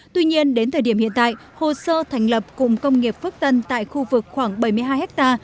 tuy nhiên đến thời điểm hiện tại hồ sơ thành lập cụm công nghiệp phước tân tại khu vực khoảng bảy mươi hai ha